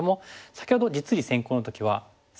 先ほど実利先行の時は３線。